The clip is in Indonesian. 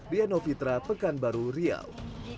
diano fitra pekanbaru riau